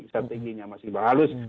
strateginya masih berhalus